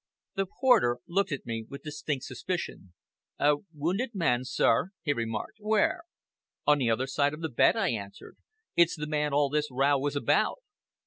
The porter looked at me with distinct suspicion. "A wounded man, sir?" he remarked. "Where?" "On the other side of the bed," I answered. "It's the man all this row was about."